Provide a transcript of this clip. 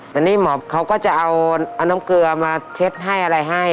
แต่นี่หมอเขาก็จะเอาน้ำเกลือมาเช็ดให้อะไรให้